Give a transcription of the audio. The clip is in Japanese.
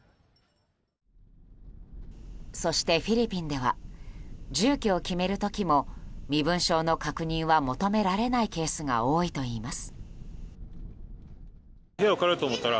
そして、フィリピンでは住居を決める時も身分証の確認は求められないケースが多いといいます。